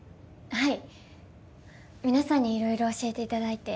はい？